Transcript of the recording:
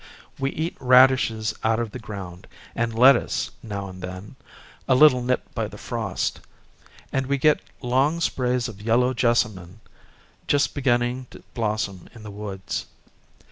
We eat radishes out of the ground, and let tuce, now and then, a little nipped by the frost ; and we get long sprays of yellow jessamine, just beginning to blossom in the woods.